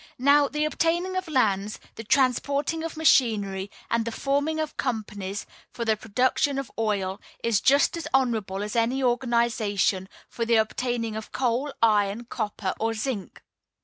Now, the obtaining of lands, the transporting of machinery, and the forming of companies for the production of oil, is just as honorable as any organization for the obtaining of coal, iron, copper, or zinc.